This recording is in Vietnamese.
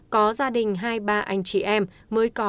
có gia đình hai ba anh chị em mới có